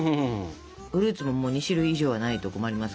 フルーツも２種類以上はないと困ります。